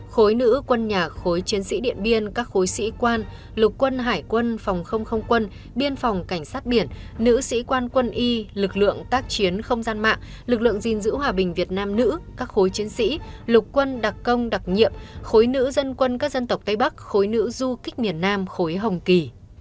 khối nữ quân nhà khối chiến sĩ điện biên các khối sĩ quan lục quân hải quân phòng không không quân biên phòng cảnh sát biển nữ sĩ quan quân y lực lượng tác chiến không gian mạng lực lượng gìn giữ hòa bình việt nam nữ các khối chiến sĩ lục quân đặc công đặc nhiệm khối nữ dân quân các dân tộc tây bắc khối nữ du kích miền nam khối hồng kỳ